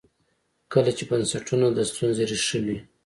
کله چې بنسټونه د ستونزې ریښه وي.